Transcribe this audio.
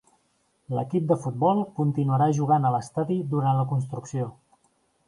L'equip de futbol continuarà jugant a l'estadi durant la construcció.